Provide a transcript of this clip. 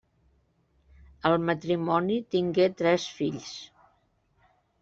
El matrimoni tingué tres fills.